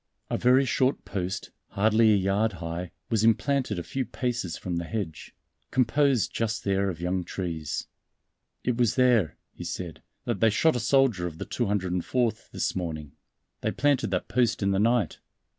A very short post, hardly a yard high, was implanted a few paces from the hedge, composed just there of young trees. "It was there," he said, "that they shot a soldier of the 204th this morning. They planted that post in the night.